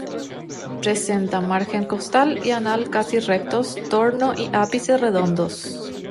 Presenta margen costal y anal casi rectos, torno y ápice redondos.